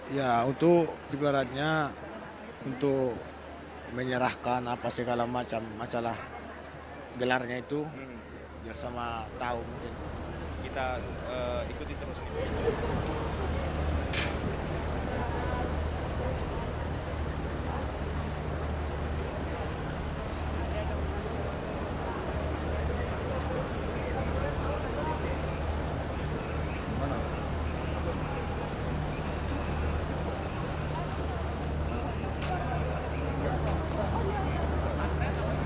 ya untuk ibaratnya untuk menyerahkan apa segala macam acara gelarnya itu biar sama tahu mungkin